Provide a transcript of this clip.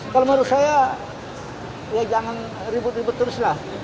kalau menurut saya ya jangan ribut ribut terus lah